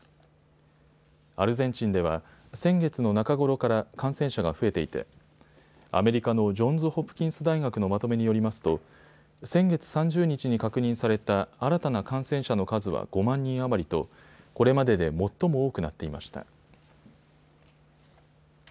アルゼンチンでは先月の中頃から感染者が増えていてアメリカのジョンズ・ホプキンス大学のまとめによりますと先月３０日に確認された新たな感染者の数は５万人余りとこれまでで最も多くなっていました。